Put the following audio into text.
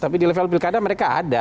tapi di level pilkada mereka ada